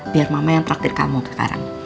biar mama yang takdir kamu sekarang